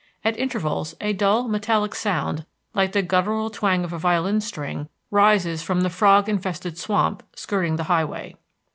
At intervals a dull, metallic sound, like the guttural twang of a violin string, rises form the frog invested swamp skirting the highway.